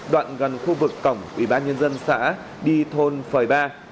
đoạn gần khu vực cổng ủy ban nhân dân xã đi thôn phời ba